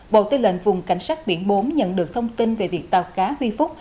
bộ tư lệnh vùng cảnh sát biển bốn nhận được thông tin về việc tàu cá vi phúc